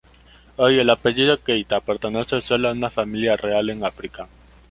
Hoy el apellido Keita pertenece solo a una familia real en África.